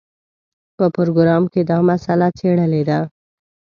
په پروګرام کې دا مسله څېړلې ده.